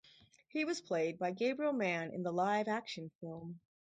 He was played by Gabriel Mann in the live-action film.